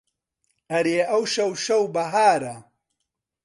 ئەرێ ئەوشەو شەو بەهارە